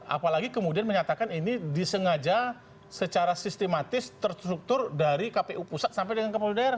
apalagi kemudian menyatakan ini disengaja secara sistematis terstruktur dari kpu pusat sampai dengan kepala daerah